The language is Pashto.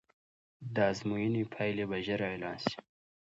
د ازموینې پایلې به ژر اعلان سي.